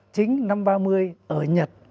chính năm ba mươi ở nhật